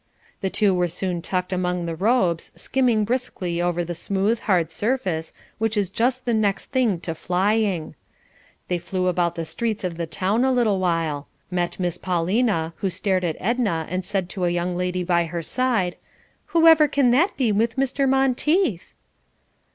The two were soon tucked among the robes, skimming briskly over the smooth, hard surface, which is just the next thing to flying. They flew about the streets of the town a little while; met Miss Paulina, who stared at Edna and said to a young lady by her side: "Whoever can that be with Mr. Monteith?"